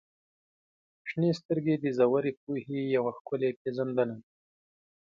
• شنې سترګې د ژورې پوهې یوه ښکلې پیژندنه ده.